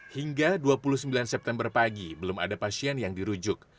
hingga dua puluh sembilan september pagi belum ada pasien yang dirujuk